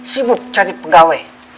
sibuk cari pegawai